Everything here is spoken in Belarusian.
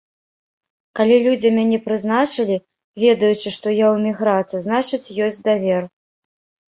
Калі людзі мяне прызначылі, ведаючы, што я ў эміграцыі, значыць, ёсць давер.